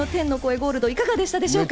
ゴールドいかがでしたでしょうか？